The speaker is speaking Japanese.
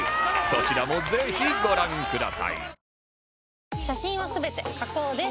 そちらもぜひご覧ください